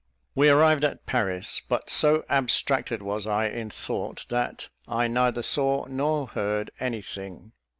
We arrived at Paris; but so abstracted was I in thought, that I neither saw nor heard any thing.